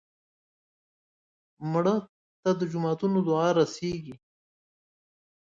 مړه ته د جوماتونو دعا رسېږي